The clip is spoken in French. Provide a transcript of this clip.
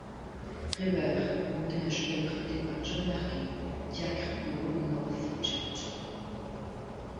Revere montait un cheval prêté par John Larkin, diacre de l'Old North Church.